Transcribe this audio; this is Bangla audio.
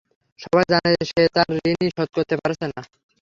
সবাই জানে সে তার ঋণই শোধ করতে পারছে না।